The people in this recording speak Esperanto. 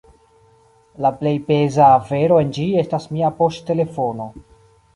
La plej peza afero en ĝi estas mia poŝtelefono.